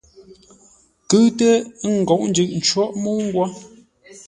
Kʉ́ʉtə́ ə ńgóʼo jʉʼ cwóʼ mə́u nghwó.